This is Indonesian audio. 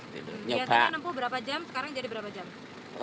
ternyata enam puluh berapa jam sekarang jadi berapa jam